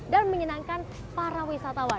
dan menyenangkan para wisatawan